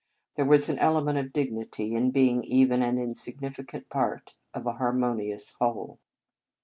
There was an element of dignity in being even an insignificant part of a harmonious whole.